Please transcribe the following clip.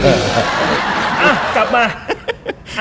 อ่ากลับมา